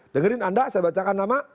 dengerin anda saya bacakan nama